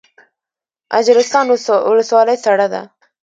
اجرستان ولسوالۍ سړه ده؟